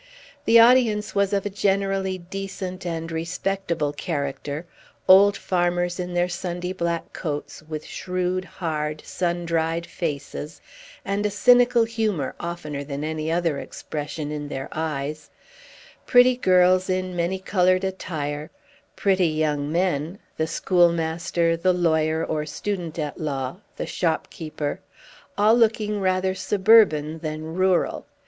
The audience was of a generally decent and respectable character: old farmers, in their Sunday black coats, with shrewd, hard, sun dried faces, and a cynical humor, oftener than any other expression, in their eyes; pretty girls, in many colored attire; pretty young men, the schoolmaster, the lawyer, or student at law, the shop keeper, all looking rather suburban than rural.